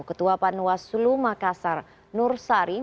ketua panuas sulu makasar nur sari